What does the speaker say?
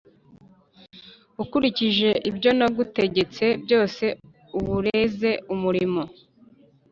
Ukurikije ibyo nagutegetse byose ubereze umurimo